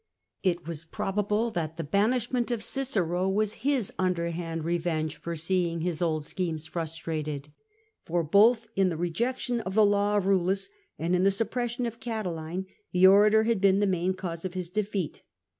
It is probable that the banishment of Cicero was his underhand revenge for seeing his old schemes frustrated ; for both in the rejection of the law of Eullus and in the suppression of Catiline the orator had been the main cause of his defeat.